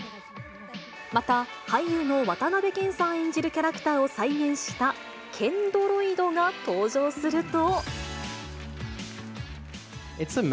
また、俳優の渡辺謙さん演じるキャラクターを再現した謙ドロイドが登場すると。